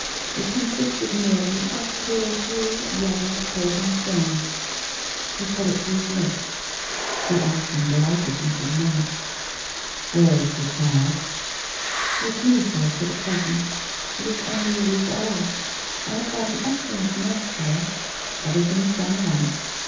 It consisted merely of two or three yellow curving films. He put it to his lips. The action delighted Mrs. May. < When the child ?'* With me, sir, for the present. It is only a week old. I have got an excellent nurse for it. Everything's done right.